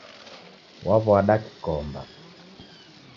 Waw'ada kikomba